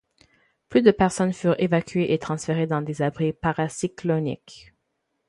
Plus de de personnes furent évacuées et transférées dans des abris paracyclonique.